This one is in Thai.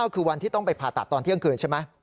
คือวันที่ต้องไปผ่าตัดตอนเที่ยงคืนใช่ไหม